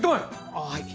ああはい。